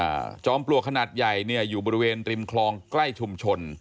จอมปลวกขนาดใหญ่เนี่ยอยู่บริเวณริมคลองใกล้ชุมชน